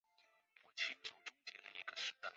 锑化物是锑和电负性更小的元素形成的化合物。